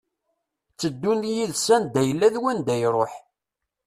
Tteddun d yid-s anda yella d wanda iruḥ.